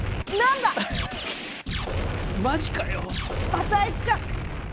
またあいつか！